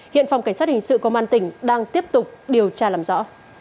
hiện phòng cảnh sát hình sự công an tỉnh đang tiếp tục điều tra làm rõ